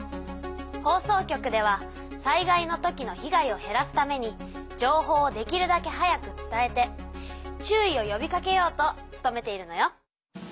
放送局では災害の時の被害を減らすために情報をできるだけ早く伝えて注意をよびかけようと努めているのよ。